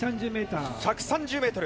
１３０ｍ。